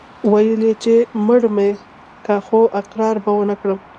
ويل يې چې مړ مې که خو اقرار به ونه کم.